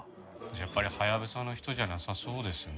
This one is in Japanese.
やっぱりハヤブサの人じゃなさそうですね。